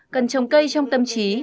cần trồng cây trong tâm trí